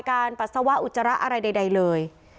ปัสสาวะอุจจาระอะไรใดเลย